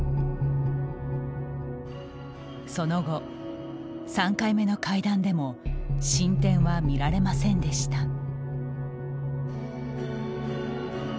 その後、３回目の会談でも進展は見られませんでした。